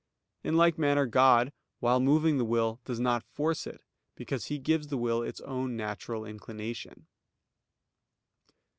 In like manner God, while moving the will, does not force it, because He gives the will its own natural inclination.